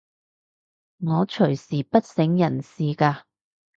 我隨時不省人事㗎